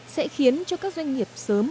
sẽ khiến cho các doanh nghiệp sớm